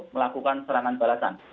melakukan serangan balasan